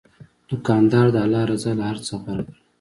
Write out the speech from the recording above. دوکاندار د الله رضا له هر څه غوره ګڼي.